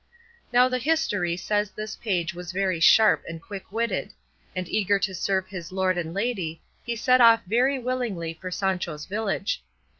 Now the history says this page was very sharp and quick witted; and eager to serve his lord and lady he set off very willingly for Sancho's village.